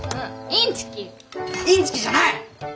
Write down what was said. インチキじゃない！